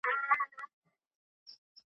د ډېوې دښمن به ړوند وي د کتاب غلیم زبون وي .